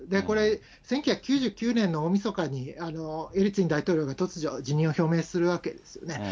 これ、１９９９年の大みそかにエリツィン大統領が突如、辞任を表明するわけですよね。